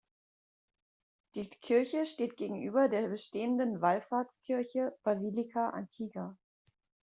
Die Kirche steht gegenüber der bestehenden Wallfahrtskirche "Basilica Antiga".